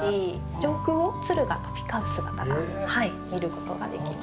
上空を鶴を飛び交う姿が見ることができます。